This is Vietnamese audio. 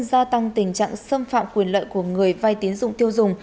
gia tăng tình trạng xâm phạm quyền lợi của người vai tiến dụng tiêu dùng